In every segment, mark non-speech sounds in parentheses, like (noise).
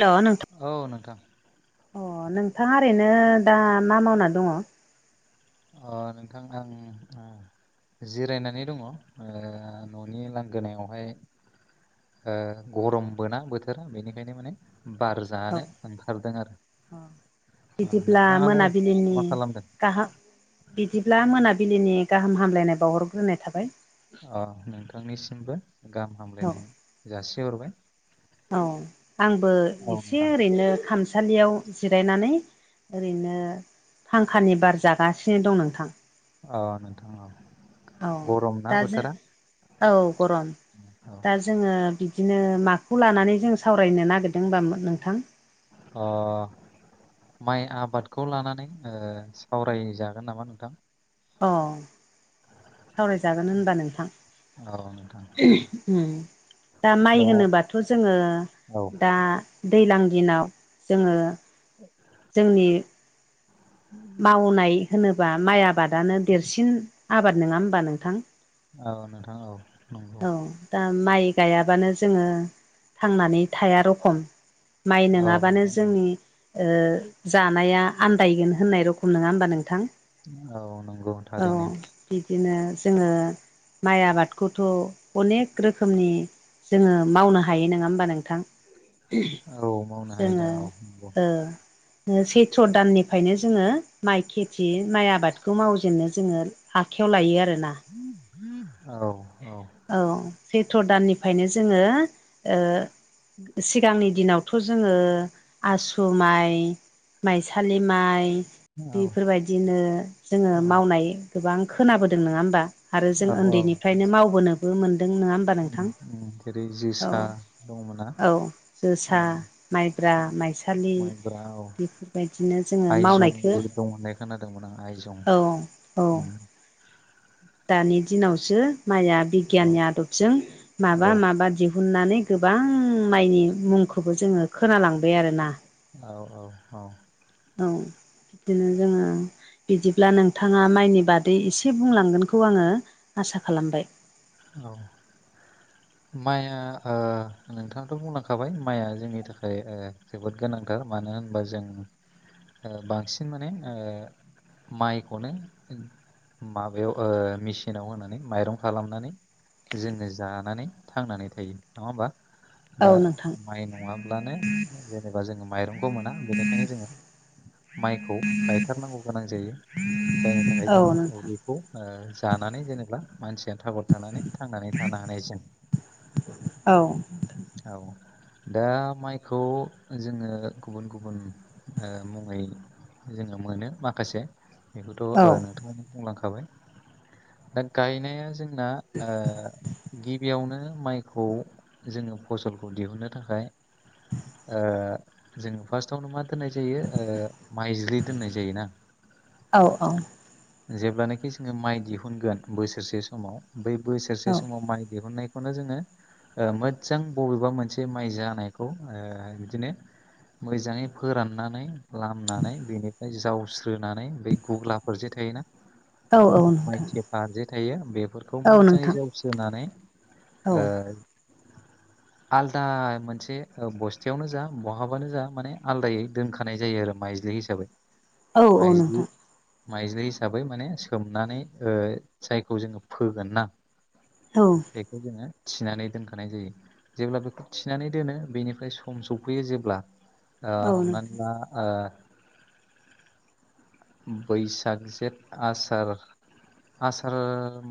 हेल' औ नोंथां। अ नोंथाङा ओरैनो दा मा मावना दङ? अ नोंथां आं उम जिरायनानै दङ ओ न'नि लांगोनायावहाय। ओ गरमबोना बोथोरा बेनिखायनो माने बार औ जानो ओंखारदों आरो ओ नोंथाङालाय मा खालामदों? गाहा बिदिब्ला मोनाबिलिनि गाहाम हामलायनाय बावहरग्रोनाय थाबाय। अ नोंथांनिसिमबो गाहाम औ हामलायनाय जासिहरबाय। औ आंबो औ एसे नोंथां ओरैनो खामसालियाव जिरायनानै ओरैनो फांखानि बार जागासिनो दं नोंथां। अ नोंथां अ। औ दा जों औ गरम औ दा जोङो बिदिनो माखौ लानानै जों सावरायनो नागिरदों होमबा नोंथां? अ माइ आबादखौ लानानै ओ सावरायजागोन नामा नोंथां? अ सावरायजागोन होनबा नोंथां। औ नोंथां। उम दा माइ होनोबाथ' जोङो औ दा दैलां दिनाव जोङो जोंनि मावनाय होनोबा माइ आबादानो देरसिन आबाद नङा होमबा नोंथां? औ नोंथां औ नंगौ। औ दा माइ गाइयाबानो जोङो थांनानै थाया रखम। माइ औ नङाबानो नोंथां औ जोंनि ओ जानाया आन्दायगोन होननाय रखम नङा होमबा नोंथां? औ नंगौ औ थारैनो। बिदिनो जोङो माइ आबादखौथ' अनेक रोखोमनि जोङो मावनो हायो नङा होमबा नोंथां? औ मावनो हायो दा जोङो औ नंगौ ओ सैथ्र' दाननिफ्रायनो जोङो माइ खेथि माइ आबादखौ मावजेननो जोङो आखायाव लायो आरोना। औ। औ सैथ्र' दाननिफ्रायनो जोङो ओ सिगांनि दिनावथ' जोङो आसु माइ माइसालि माइ। बेफोरबायदिनो जोङो औ मावनाय गोबां खोनाबोदों नङा होमबा। आरो जों औ औ उन्दैनिफ्रायनो मावबोनोबो मोनदों नङा होनबा उम नोंथां उम जेरै औ जोसा दंमोना औ औ जोसा माइब्रा, माइसालि माइब्रा औ बेफोरबायदिनो जोङो आइजंबो मावनायखो दं होननाय खोनादोंमोन आं आइजं उम। दानि दिनावसो माइआ औ बिगियाननि आदबजों औ माबा माबा दिहुन हुननानै गोबां मायनि मुंखौबो जोङो खोनालांबाय आरो ना। औ औ औ। औ बिदिनो जोङो बिदिब्ला नोंथाङा माइनि बादै एसे बुंलांगोनखौ आङो आसा खालामबाय। औ। माइआ ओ नोंथाङाथ' बुंलांखाबाय माइआ जोंनि थाखाय ओ जोबोद गोनांथार मानो होनबा जों ओ बांसिन माने ओ माइखौनो माबायाव ओ मेसिनाव होनानै माइरं खालामनानै। जोंङो जानानै थांनानै थायो नङा होमबा औ दा नोंथां माइ नङाब्लानो जेनेबा जोङो माइरंखौ मोना बेनिखायनो जोङो माइखौ गायथारनांगौ गोनां जायो। जायनि थाखाय औ जोङो नोंथां उदैखौ ओ जानानै जेनेबा मानसिया था थानानै थांनानै थानो हानाय जों औ। औ। दा माइखौ जोङो गुबुन गुबुन ओ मुङै जोङो मोनो माखासे बेखौथ' औ ओ नोंथांङाबो बुंलांखाबाय दा गायनाया जों जोंना ओ गिबियावनो माइखौ जोङो फसलखौ दिहुनन्नो थाखाय ओ जोङो फार्स्टआवनो मा दोननाय जायो ओ माइज्लि दोननाय जायोना। औ जेब्लानोखि जोङो माइ दिहुनगोन बोसोरसे समाव बै औ बोसोरसे समाव माइ दिहुननाय खौनो जोङो ओ मोजां बबेबा मोनसे माइ जानायखौ ओ बिदिनो मोजाङै फोराननानै लामनानै बेनिफ्राय जावस्रोनानै बे गुग्लाफोरजे थायोना। औ औ नोंथां माइ थेफा जे थायो बेफोरखौ औ मोजाङै नोंथां जावसोनानै औ ओ आलदा मोनसे बस्थायावनो जा बहाबानो जा माने आलादायै दोनखानाय जायो आरो माइज्लि हिसाबै। (inaudible) नोंथां माइज्लि। माइज्लि हिसाबै माने सोमनानै ओ जायखौ जोङो फोगोन ना। औ बेखौ जोङो थिनानै दोनखानाय जायो। जेब्ला बेखौ थिनानै दोनो बेनिफ्राय सम सफैयो जेब्ला ओ औ हमनानै नोंथां ला ओ (inaudible) बैसाग जेद आसार आसार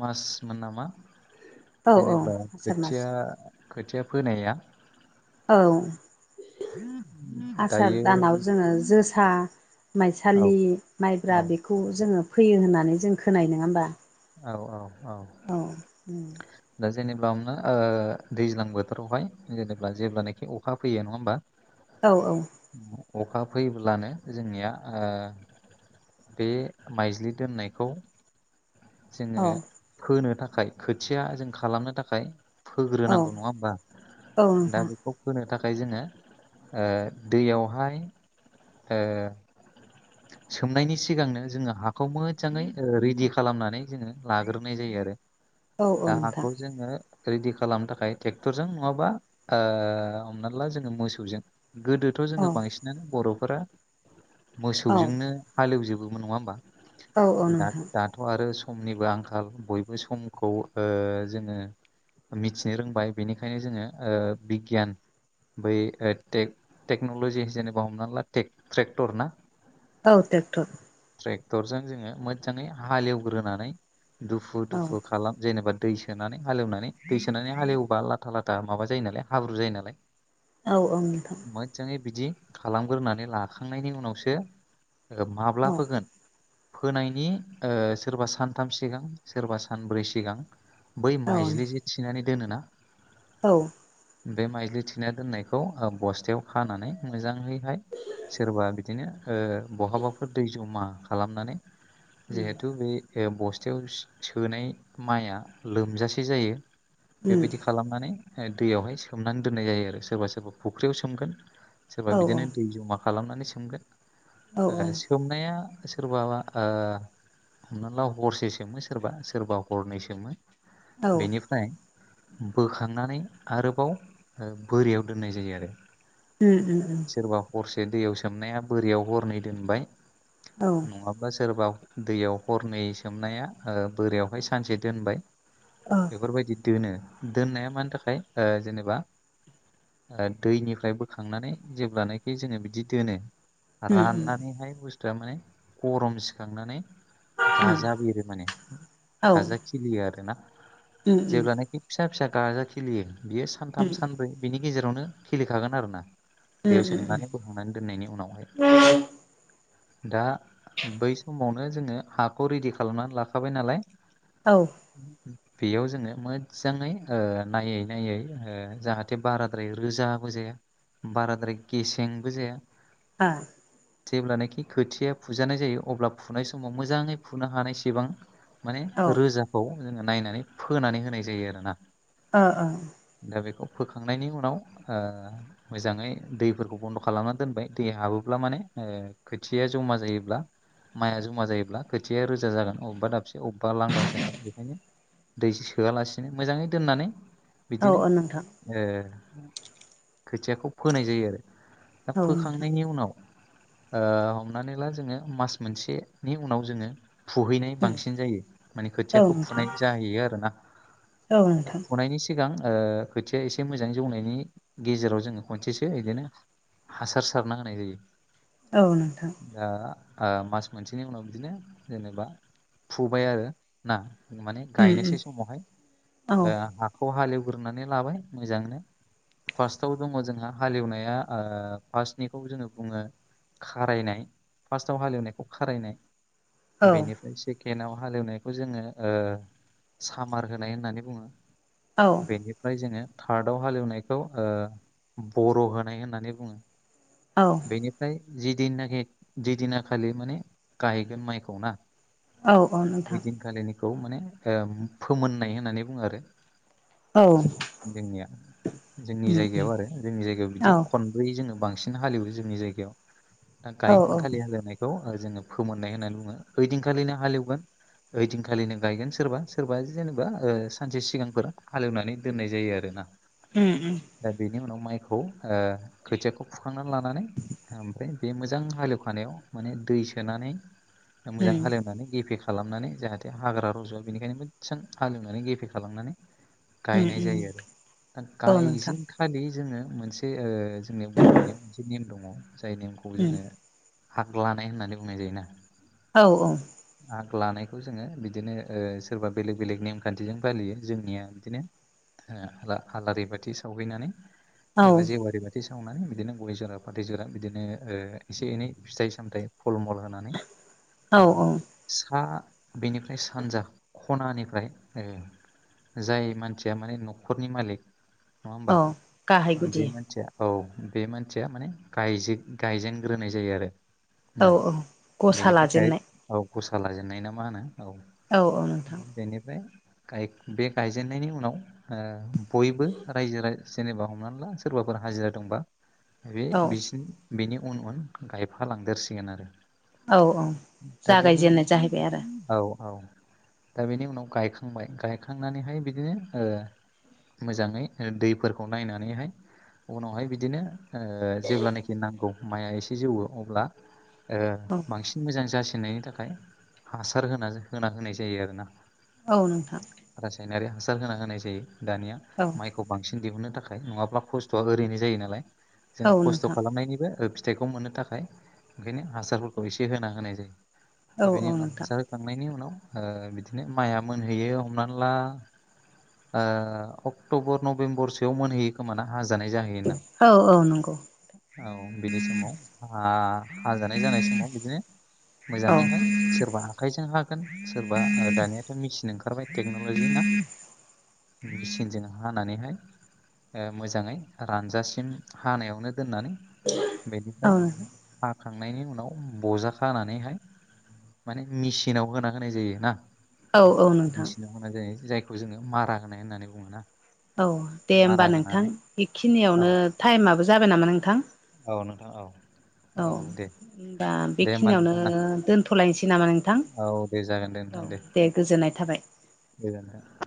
मासमोन नामा औ औ जेनेब्ला आसार मास खोथिया खोथिया फोनाया औ आसार दायो दानाव जोङो जो सा औ माइसालि औ माइब्रा बेखौ जोङो फैयो होननानै जों खोनानाय नङा होमबा? औ औ औ औ दा जेनेबा हमना ला ओ दैज्लां बोथोरावहाय जेनेबा जेब्लानाखि अखा फैयो नङा होमबा औ औ अखा फैब्लानो जोंनिया ओ बे माइज्लि दोननायखौ औ जोङो फोनो थाखाय खोथिया जों खालामनो थाखाय औ फोग्रोनांगौ नङा होमबा औ दा नोंथां बे खौ फोनो थाखाय जोङो ओ दैयावहाय ओ सोमनायनि सिगांनो जोङो हाखौ मोजाङै ओ रेडि खालामनानै जोङो लाग्रोनाय जायो आरो औ औ दा नोंथां हाखौ जोङो रेडि खालामनो थाखाय ट्रेक्टरजों नङाबा ओ हमना ला जोङो मोसौजों गोदो थ' औ जोङो बांसिनानो बर'फोरा औ मोसौजोंनो हालौजोबोमोन नङा होमबा? औ औ नोंथां दा दाथ' आरो समनिबो आंखाल बयबो समखौ ओ जोङो मिथिनो रोंबाय बेनिखायनो जोङो ओ बिगियान बै टेक्न'लजि जेनेबा हमनानै ला ट्रेक्टर ना औ ट्रेक्टर ट्रेक्टरजों जोङो मोजाङै हालेवग्रोनानै दुफु औ दुफु खालाम जेनेबा दै सोनानै हालेवनानै दै सोनानै हालेवबा लाथा लाथा माबा जायो नालाय हाब्रु जायो नालाय औ औ नोंथां मोज्जाङै बिदि खालामगोरोनानै लाखांनायनि उनावसो माब्ला औ फोगोन फोनायनि ओ सोरबा सानथाम सिगां सोरबा सानब्रै सिगां बै औ माइज्लि जे थिनानै दोनोना औ बे माइज्लि थिना दोननायखौ बस्थायाव खानानै मोजाङैहाय सोरबा बिदिनो ओ बहाबाफोर दै जमा खालामनानै उम जिहेथु बे बस्थायाव सोनाय माइआ लोमजासे जायो उम बेबायदि खालामनानै दैयावहाय सोमनानै दोननाय जायो आरो सोरबा सोरबा फुख्रियाव सोमगोन सोरबा औ बिदिनो दै जमा खालामनानै औ सोमगोन सोमनाया सोरबाबा हमना ला हरसे सोमो सोरबा सोरबा हरनै सोमो औ बेनि फ्राय बोखांनानै आरोबाव बोरियाव दोननाय जायो आरो उम उम उम सोरबा हरसे दैयाव सोमनाया बोरियाव हरनै दोनबाय औ नङाब्ला सोरबा दैयाव हरनै सोमनाया ओ बोरियावहाय सानसे दोनबाय ओ बेफोरबायदि दोनो दोननाया मानि थाखाय ओ जेनेबा दैनिफ्राय बोखांनानै जेब्लानाखि जोङो बिदि दोनो उम उम राननानैहाय बुस्थुआ माने गरम सिखांनानै गाजा बेरो माने औ गाजा उम खिलियो आरोना उम जेब्लानाखि फिसा फिसा गाजा खिलियो बियो सानथाम सानब्रै बिनि गेजेरावनो खिलिखागोन आरोना उम दैयाव उम उम सोमनानै दोननायनि उनावहाय दा बै समाव माने जोङो हाखौ रेडि खालामनानै लाखाबाय नालाय औ (inaudible) बेयाव जोङो मोजाङै ओ नायै नायै ओ जाहाथे बाराद्राय रोजाबो जाया बाराद्राय गेसेंबो जाया आह जेब्लानाखि खोथिया फुजानाय जायो अब्ला फुनाय समाव मोजाङै फुनो हानायसिबां माने औ ओ रोजा खौ जोङो नायनानै फोनानै होनाय जायो आरोना ओ ओ दा बेखौ फोखांनायनि उनाव ओ मोजाङै दैफोरखौ बन्द' खालामनानै दोनबाय दै हाबोब्ला माने ओ खोथिया जमा जायोब्ला माइआ जमा जायोब्ला खोथिया रोजा जागोन अबेबा दाबसे अबेबा लांदां जागोन बेखायनो दै सोआलासिनो मोजाङै दोननानै बिदिनो औ नोंथां ओ खोथियाखौ फोनाय जायो आरो दा औ नोंथां फोखांनायनि उनाव हमनानै ला जोङो मास मोनसेनि उनाव जोङो फुहैनाय बांसिन जायो माने खोथियाखौ उम फुनाय जाहैयो आरोना औ नोंथां फुनायनि सिगां ओ खोथिया एसे मोजाङै जौनायनि गेजेराव जोङो खनसेसो बिदिनो हासार सारना होनाय जायो औ नोंथां दा ओ मास मोनसेनि उनाव बिदिनो जेनेबा फुबाय आरो ना माने उम उम गायनोसै समावहाय औ ओ हा खौ हालेवग्रोनानै लाबाय मोजांनो फार्स्टआव दङ जोंहा हालेवनाया ओ फार्स्टनिखौ जोङो बुङो खारायनाय फार्स्टआव हालेवनायखौ खारायनाय औ बेनि बे सेकेणडआव हालेवनायखौ जोङो ओ सामार होनाय होननानै बुङो औ बेनिफ्राय जोङो थार्दआव हालेवनायखौ ओ बर' होनाय होननानै बुङो औ बेनिफ्राय जिदिनाखि जिदिनाखालि माने गाहैगोन माइखौ ना औ औ नोंथां ओइदिनखालिनिखौ माने ओ फोमोननाय होननानै बुङो आरो औ जोंनिया जोंनि जायगायाव आरो जोंनि जायगायाव बिदि औ खन ब्रै जोङो बांसिन हालेवो जोंनि जायगायाव दा औ गायखोन खालि हालेनाय खौ ओ जोङो फोमोननाय होननानै बुङो ओइदिनखालिनो हालेवगोन ओइदिनखालिनो गायगोन सोरबा सोरबा जेनेबा ओ सानसे सिगांफोर हालेवनानै दोननाय जायो आरोना उम उम दा बेनि उनाव माइखौ ओ खोथियाखौ फुखांनानै लानानै ओमफ्राय बे मोजां हालेवखानायाव माने दै सोनानै मोजां उम हालेवनानै गेफेखा खालामनानै जाहाथे हाग्रा रज'वा बेनिखायनो मोजां हालेवनानै गेफे खालामनानै उम गायनाय उम जायो आरो दा औ नोंथां गायजेन खालि जोङो मोनसे ओ जोंनि बर'नियाव मोनसे नेम दङ जाय नेमखौ उम जोङो हाग लानाय होननानै बुंनाय जायोना औ औ आग लानायखौ जोङो बिदिनो ओ सोरबा बेलेग बेलेग नेमखान्थिजों फालियो जोंनिया बिदिनो ओ आला आलारि बाथि सावहैनानै एबा औ जेवारि बाथि सावनानै बिदिनो गय जरा फाथै जरा बिदिनो ओ एसे एनै फिथाइ सामथाइ फल मल होनानै औ ओ औ सा बेनिफ्राय सानजा खनानिफ्राय ओ जाय मानसिया माने न'खरनि मालिक नङा औ होमबा गाहाय गुदि बे मानसिया औ बे मानसिया माने गाजे गायजेनग्रोनाय जायो आरो। औ ना औ गसा बेनिफ्राय गाय लाजेननाय औ गसा लाजेननाय ना मा होनो औ औ नोंथां बेनिफ्राय गाग बे गायजेननायनि उनाव ओ बयबो रायजो राज जेनेबा हमनानै ला सोरबाफोर हाजिरा दंबा बे औ बिसनि बेनि उन उन गाय फालांदेरसिगोन आरो। औ औ दा बेनि जागायजेननाय जाहैबाय आरो उनाव औ औ दा बेनि उनाव गायखांबाय गायखांनानैहाय बिदिनो ओ मोजाङै ओ दैफोरखौ नायनानैहाय उनावहाय बिदिनो ओ जेब्लानाखि नांगौ माइआ एसे जौवो अब्ला ओ औ बांसिन मोजां जासिननायनि थाखाय हासार होना होना होनाय जायो आरोना औ नोंथां रासायनारि हासार होना होनाय जायो दानिया औ माइ खौ बांसिन दिहुननो थाखाय नङाब्ला खस्थ'आ ओरैनो जायो नालाय औ जोंङो खस्थ' नोंथां खालामनायनिबो ओ फि फिथाइखौ मोननो थाखाय ओंखायनो हासारफोरखौ एसे होना होनाय जायो औ दा बेनि औ उनाव नोंथां हासार थांनायनि उनाव ओ बिदिनो माइया मोनहैयो हमनानै ला ओ अक्ट'बर नभेम्बर सोयाव मोनहैयो खोमाना हाज जानाय जाह औ औ नंगौ (unintelligible) औ बिनि समाव आ हाजानाय जानाय समाव बिदिनो औ मोजांङैहाय सोरबा आखाइजों हागोन सोरबा ओ दानियाथ' मेसिन ओंखारबाय टेक्न'लजि ना? मेचिनजों हानानैहाय ओ मोजांङै रानजासिम हानायावनो दोननानै बेनिफ्राय औ हाखांनायनि उनाव बजा खानानैहाय माने मेसिनाव होना होनाय जायो ना? औ औ नोंथां। बुंनाय जायो जायखौ जोंङो मारा होनाय होननानै बुंङोना? औ दे होमबा नोंथां औ बेखिनियावनो टाइमाबो जाबाय नामा नोंथां? औ नोंथां औ औ दे। दा दे होमबा बेखिनियावनो नोंथां दोनथ'लायनोसै नामा नों थां औ दे जागोन दे नोंथां औ दे गोजोननाय थाबाय। दे नोंथा।